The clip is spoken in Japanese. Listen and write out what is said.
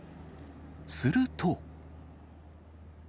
すると。